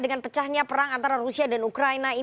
dengan pecahnya perang antara rusia dan ukraina